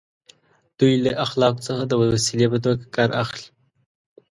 دوی له اخلاقو څخه د وسیلې په توګه کار اخلي.